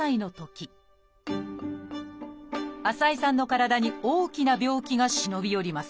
浅井さんの体に大きな病気が忍び寄ります。